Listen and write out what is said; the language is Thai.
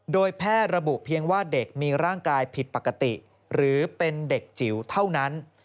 โดยแพทย์ระบุเพียงว่าเด็กมีร่างกายผิดปกติหรือเป็นเด็กจิ๋วเท่านั้น